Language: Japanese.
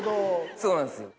そうなんですよ。